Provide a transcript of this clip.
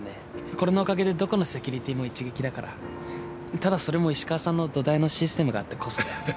これのおかげでどこのセキュリティーも一撃だからただそれも石川さんの土台のシステムがあってこそだよ